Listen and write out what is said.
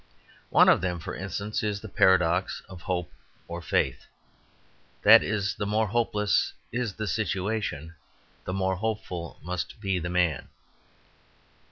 One of them, for instance, is the paradox of hope or faith that the more hopeless is the situation the more hopeful must be the man.